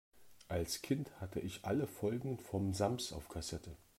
Als Kind hatte ich alle Folgen vom Sams auf Kassette.